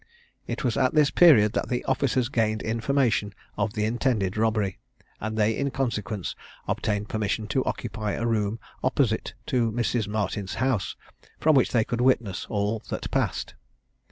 It was at this period that the officers gained information of the intended robbery; and they in consequence obtained permission to occupy a room opposite to Mrs. Martin's house, from which they could witness all that passed.